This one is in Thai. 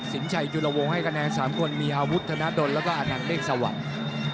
ทุกที่ฐานวงให้กระแนง๓คนมีอาวุธธนาดนแล้วก็อันนั้นเลขสวัสดิ์